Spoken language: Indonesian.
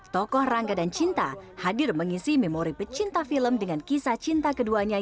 tokoh rangga dan cinta hadir mengisi memori pecinta film dengan kisah cinta keduanya